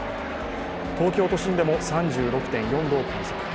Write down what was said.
東京都心でも３６．４度を観測。